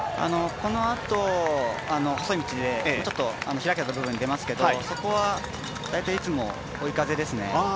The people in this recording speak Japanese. このあと、細い道で開けた部分に出ますけどそこは、大体いつも追い風ですね。